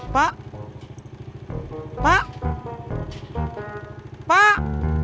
pak pak pak